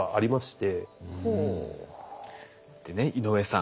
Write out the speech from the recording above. でね井上さん